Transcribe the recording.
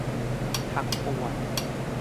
ทั้งปวง